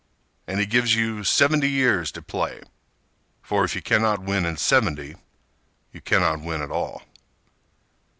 And he gives you seventy years to play: For if you cannot win in seventy You cannot win at all.